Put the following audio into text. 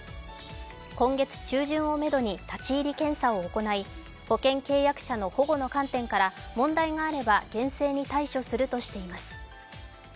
今月中旬をめどに立入検査を行い保険契約者の保護の観点から問題があれば厳正に対処するとしています。